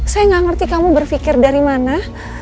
saya gak ngerti kamu berfikir dari mana